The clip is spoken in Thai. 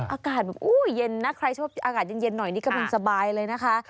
อากาศมันเย็นนะใครชอบอากาศเย็นหน่อยนี่ก็มันสบายเลยนะคะ